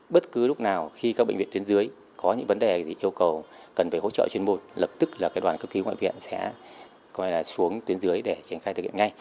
bất cứ lúc nào khi các bệnh viện tuyến dưới có những vấn đề gì yêu cầu cần phải hỗ trợ chuyên môn lập tức là đoàn cấp cứu ngoại viện sẽ xuống tuyến dưới để triển khai thực hiện ngay